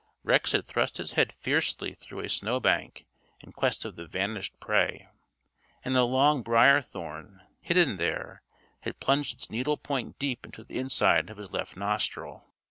Rex had thrust his head fiercely through a snowbank in quest of the vanished prey; and a long briar thorn, hidden there, had plunged its needle point deep into the inside of his left nostril.